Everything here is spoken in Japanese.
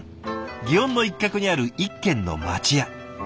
園の一角にある一軒の町屋。